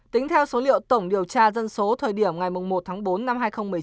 tính theo số liệu tổng điều tra dân số thời điểm ngày một tháng bốn năm hai nghìn một mươi chín